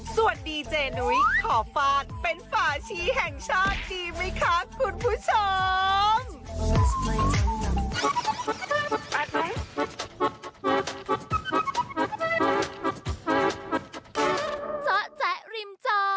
ส่วนดีเจนุ้ยขอฟาดเป็นฝาชีแห่งชาติดีไหมคะคุณผู้ชม